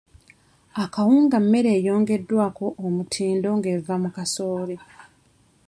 Akawunga mmere eyongeddwako omutindo nga eva mu kasooli.